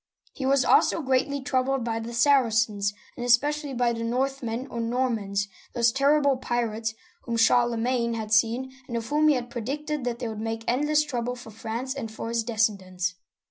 He was also greatly troubled by the Saracens, and espe cially by the Northmen, or Normans, those terrible pirates whom Charlemagne had seen, and of whom he had pre dicted that they would make endless trouble for France and for his descendants.